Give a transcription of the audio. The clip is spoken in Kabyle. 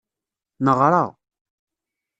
Neɣṛa.